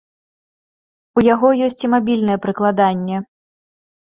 У яго ёсць і мабільнае прыкладанне.